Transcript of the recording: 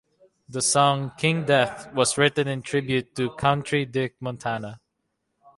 The song "King Death" was written in tribute to Country Dick Montana.